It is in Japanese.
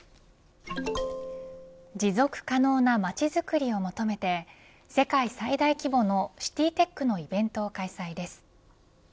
持続可能な街づくりを求めて世界最大規模のＣｉｔｙ‐Ｔｅｃｈのイベントを開催です。